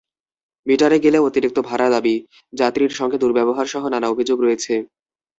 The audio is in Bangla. মিটারে গেলেও অতিরিক্ত ভাড়া দাবি, যাত্রীর সঙ্গে দুর্ব্যবহারসহ নানা অভিযোগ রয়েছে।